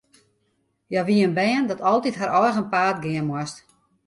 Hja wie in bern dat altyd har eigen paad gean moast.